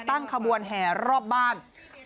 ตั้งขบวนแห่รอบบ้าน